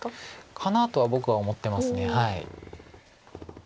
かなとは僕は思ってます。